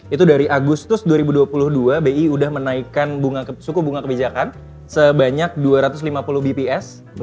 itu dari agustus dua ribu dua puluh dua bi sudah menaikkan suku bunga kebijakan sebanyak dua ratus lima puluh bps